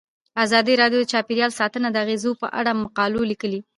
ازادي راډیو د چاپیریال ساتنه د اغیزو په اړه مقالو لیکلي.